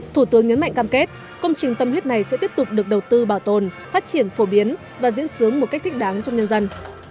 thủ tướng nhấn mạnh cam kết công trình tâm huyết này sẽ tiếp tục được đầu tư bảo tồn phát triển phổ biến và diễn sướng một cách thích đáng trong nhân dân